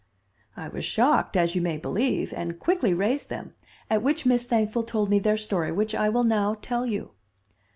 "I was shocked, as you may believe, and quickly raised them, at which Miss Thankful told me their story, which I will now tell you.